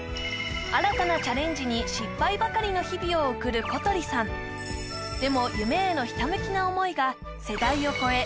新たなチャレンジに失敗ばかりの日々を送る小鳥さんでも夢へのひたむきな想いが世代を超え